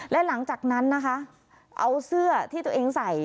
และหลังจากนั้นนะคะเอาเสื้อที่ตัวเองใส่